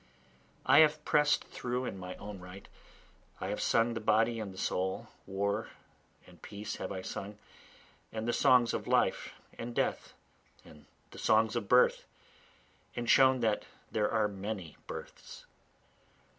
I have press'd through in my own right, I have sung the body and the soul, war and peace have I sung, and the songs of life and death, And the songs of birth, and shown that there are many births.